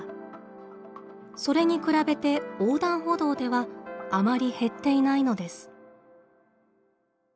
それに比べて横断歩道ではあまり減っていないのです。